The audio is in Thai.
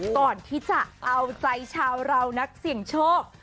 ก่อนที่จะเอาใจชาวเรานักเสี่ยงโชค